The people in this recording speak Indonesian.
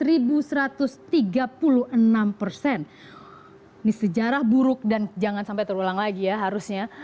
ini sejarah buruk dan jangan sampai terulang lagi ya harusnya